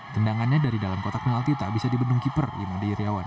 tendangannya dari dalam kotak melalui tak bisa di bendung keeper imadiy riawan